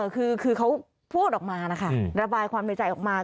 คือเขาพูดออกมานะคะระบายความในใจออกมา